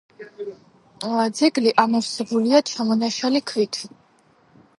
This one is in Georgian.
ძეგლი ამოვსებულია ჩამონაშალი ქვით.